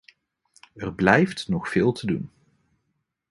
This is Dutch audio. Er blijft nog veel te doen.